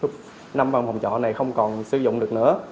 năm bằng phòng trọ này không còn sử dụng được nữa